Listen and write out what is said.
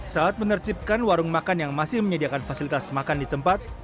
saat menertibkan warung makan yang masih menyediakan fasilitas makan di tempat